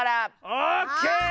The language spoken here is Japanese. オッケー！